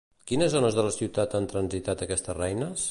Quines zones de la ciutat han transitat aquestes reines?